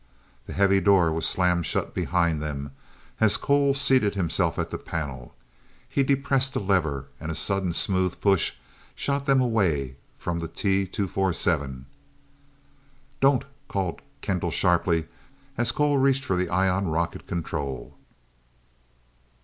The heavy door was slammed shut behind them, as Cole seated himself at the panel. He depressed a lever, and a sudden smooth push shot them away from the T 247. "DON'T!" called Kendall sharply as Cole reached for the ion rocket control.